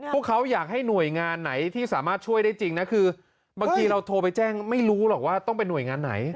พวกเขาอยากให้หน่วยงานไหนที่สามารถช่วยได้จริงนะคือบางทีเราโทรไปแจ้งไม่รู้หรอกว่าต้องเป็นหน่วยงานไหน